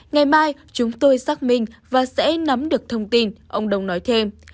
ngày mai chúng tôi xác minh và sẽ nắm được thông tin ông đông nói thêm